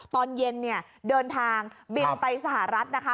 ตอนเย็นเนี่ยเดินทางบินไปสหรัฐนะคะ